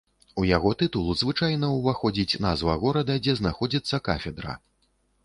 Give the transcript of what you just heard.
У яго тытул звычайна ўваходзіць назва горада, дзе знаходзіцца кафедра.